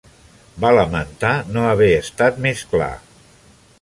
Va lamentar no haver estat més clar.